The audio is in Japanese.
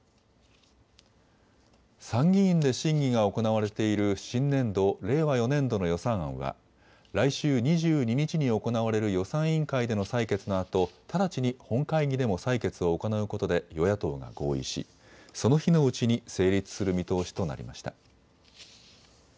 参議院で審議が行われている新年度、令和４年度の予算案は来週２２日に行われる予算委員会での採決のあと直ちに本会議でも採決を行うことで与野党が合意しその日のうちに成立する見通しとなりました。